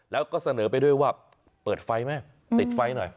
แล้วก็เสนอไปด้วยว่าเปิดไฟไหมติดไฟหน่อย